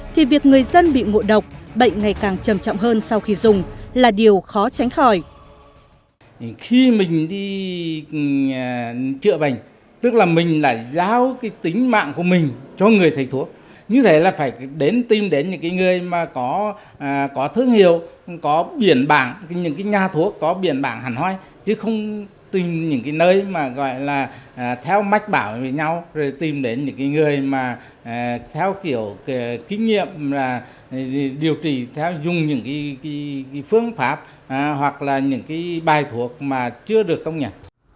thì việc người dân bị ngộ độc bệnh ngày càng trầm trọng hơn sau khi dùng là điều khó tránh khỏi